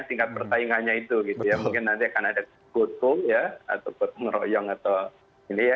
tingkat pertahingannya itu gitu ya mungkin nanti akan ada goto atau meroyong atau gini ya